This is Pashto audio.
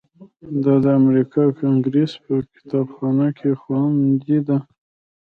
دا د امریکا کانګریس په کتابخانه کې خوندي ده.